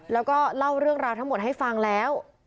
แล้วก็เล่าเรื่องราวทั้งหมดให้ฟังแล้ว